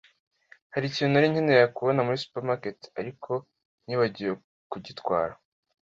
Hari ikintu nari nkeneye kubona muri supermarket, ariko nibagiwe kugitwara.